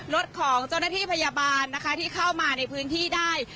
รถของเจ้าหน้าที่พยาบาลนะคะที่เข้ามาในพื้นที่ได้